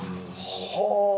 はあ！